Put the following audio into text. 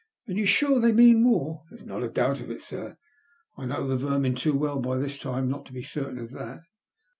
"And you're sure they mean war? "" There's not a doubt of it, sir. I know the vermin too well by this time not to be certain of that."